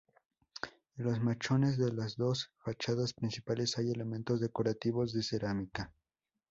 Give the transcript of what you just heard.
En los machones de las dos fachadas principales hay elementos decorativos de cerámica.